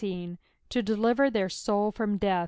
To deliver their tovlfrom death.''''